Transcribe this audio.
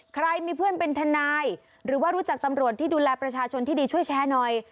ใครมีเพื่อนเป็นทนายหรือว่ารู้จักตำรวจที่ดูแลประชาชนที่ดีช่วยแชร์หน่อย